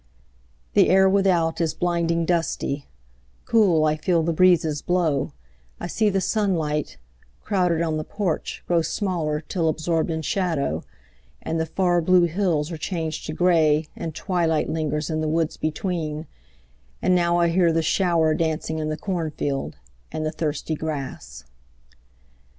The air without is blinding dusty; Cool I feel the breezes blow; I see The sunlight, crowded on the porch, grow Smaller till absorbed in shadow; and The far blue hills are changed to gray, and Twilight lingers in the woods between; And now I hear the shower dancing In the cornfield and the thirsty grass.